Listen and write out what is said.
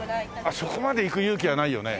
そこまで行く勇気はないよね。